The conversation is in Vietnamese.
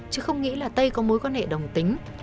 chứ không nghĩ là tây có mối quan hệ đồng tính